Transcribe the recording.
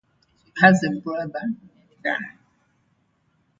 She has a brother, Nenad.